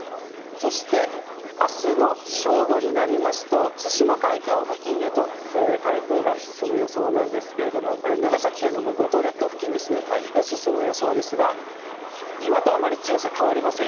そしてあすの正午になりますと、対馬海峡付近へと台風が進む予想なんですけれども、長崎県の五島列島付近ですね、進む予想ですが、今とあんまり強さ変わりません。